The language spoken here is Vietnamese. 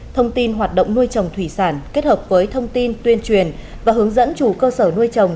thông tin hoạt động nuôi trồng thủy sản kết hợp với thông tin tuyên truyền và hướng dẫn chủ cơ sở nuôi trồng